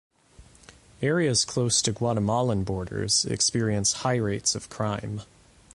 Areas close to Guatemalan borders experience high rates of crime.